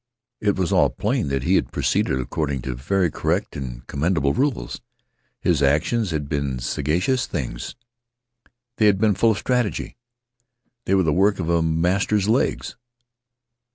It was all plain that he had proceeded according to very correct and commendable rules. His actions had been sagacious things. They had been full of strategy. They were the work of a master's legs.